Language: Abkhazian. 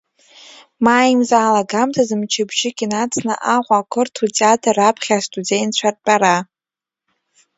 Маи мза алагамҭазы мчыбжьык инацны Аҟәа ақырҭуа театр аԥхьа астудентцәа ртәара…